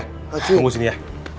punggu sini ya